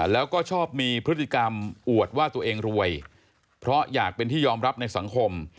แล้วก็ชอบมีพฤติกรรมอวดว่าตัวเองรวยเพราะอยากเป็นที่ยอมรับในสังคม